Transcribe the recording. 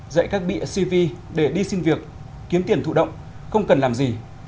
dạy các bị cv để đi xin việc kiếm tiền thụ động không cần làm gì